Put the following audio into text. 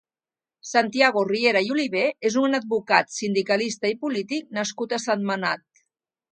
Santiago Riera i Olivé és un advocat, sindicalista i polític nascut a Sentmenat.